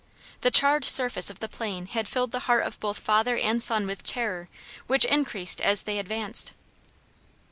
The charred surface of the plain had filled the heart of both father and son with terror, which increased as they advanced.